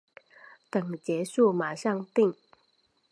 等结束马上订